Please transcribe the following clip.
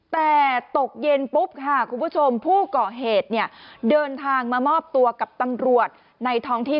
แต่ตกเย็นปุ๊บค่ะคุณผู้ชมผู้ก่อเหตุเนี่ยเดินทางมามอบตัวกับตำรวจในท้องที่